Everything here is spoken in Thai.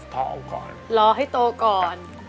เพราะลองก่อนรอให้โตก่อน